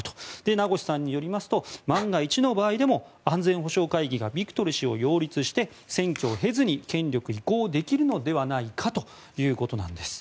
名越さんによりますと万が一の場合でも安全保障会議がビクトル氏を擁立して選挙を経ずに権力移行できるのではないかということなんです。